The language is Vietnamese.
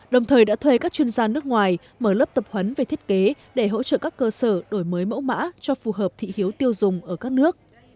đồng thời đã thuê các chuyên gia nước ngoài mở lớp tập huấn về thiết kế để hỗ trợ các cơ sở đổi mới mẫu mã cho phù hợp thị hiếu tiêu dùng ở các nước